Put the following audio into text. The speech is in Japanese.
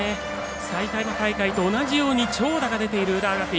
埼玉大会と同じように長打が出ている、浦和学院。